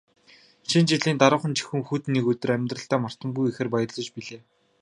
Шинэ жилийн дараахан жихүүн хүйтэн нэг өдөр амьдралдаа мартамгүй ихээр баярлаж билээ.